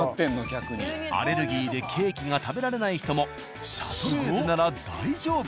アレルギーでケーキが食べられない人も「シャトレーゼ」なら大丈夫。